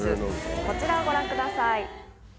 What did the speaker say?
こちらをご覧ください。